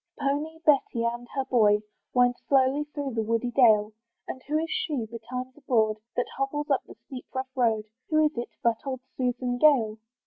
The pony, Betty, and her boy, Wind slowly through the woody dale: And who is she, be times abroad, That hobbles up the steep rough road? Who is it, but old Susan Gale?